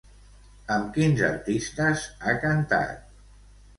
Amb quins artistes ha cantat?